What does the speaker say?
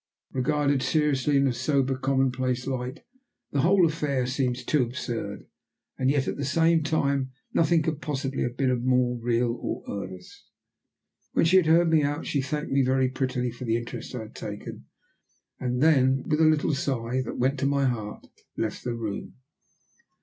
Regarded seriously in a sober commonplace light, the whole affair seems too absurd, and yet at the time nothing could possibly have been more real or earnest. When she had heard me out, she thanked me very prettily for the interest I had taken, and then with a little sigh, that went to my heart, left the room.